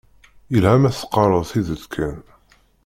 Yelha ma teqqareḍ tidet kan.